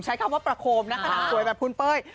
ใช้คำว่าประโคมนะขนาดสวยแบบคุณเป้ย